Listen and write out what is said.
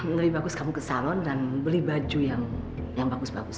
lebih bagus kamu ke salon dan beli baju yang bagus bagus